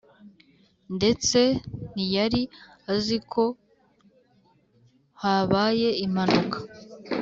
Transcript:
ndetse ntiyari azi ko habaye impanuka